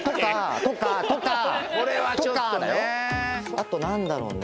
あと何だろうね。